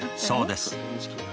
そうです。